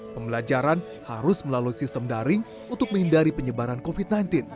pembelajaran harus melalui sistem daring untuk menghindari penyebaran covid sembilan belas